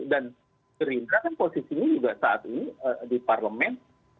dan keribatan posisi ini juga saat ini di parlemen